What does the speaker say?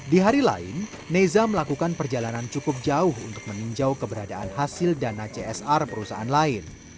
di hari lain neza melakukan perjalanan cukup jauh untuk meninjau keberadaan hasil dana csr perusahaan lain